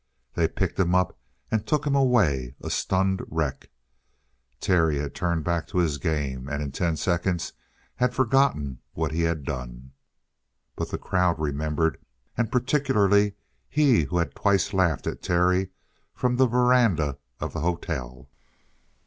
They picked him up and took him away, a stunned wreck. Terry had turned back to his game, and in ten seconds had forgotten what he had done. But the crowd remembered, and particularly he who had twice laughed at Terry from the veranda of the hotel.